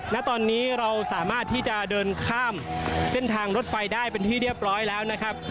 ณตอนนี้เราสามารถที่จะเดินข้ามเส้นทางรถไฟได้เป็นที่เรียบร้อยแล้วนะครับ